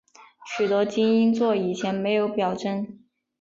许多基因座以前没有表征。